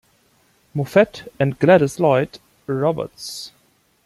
Moffett and Gladyce Lloyd Roberts.